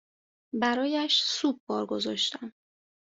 برایش سوپ بار گذاشتم